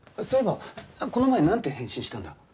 そういえばこの前なんて返信したんだ？